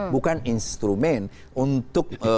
bukan instrumen untuk